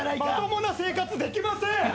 まともな生活できません。